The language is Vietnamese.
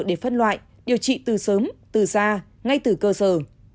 để phân loại điều trị từ sớm từ xa ngay từ cơ sở